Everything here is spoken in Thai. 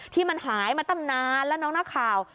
ที่มันหายมาตั้งนานแล้วน้องนักข่าว